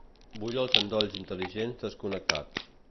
Vull els endolls intel·ligents desconnectats.